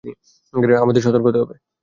আমাদের সতর্ক হতে হবে!